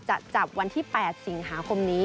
จะจับวันที่๒๐๐๘๒๐๑๕สิงหาคม